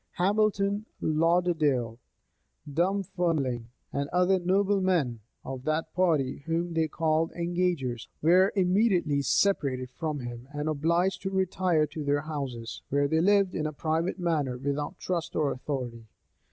[*] Hamilton, Lauderdale, Dumfermling, and other noblemen of that party whom they called engagers, were immediately separated from him, and obliged to retire to their houses, where they lived in a private manner, without trust or authority.